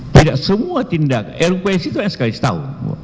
tidak semua tindakan rups itu hanya sekali setahun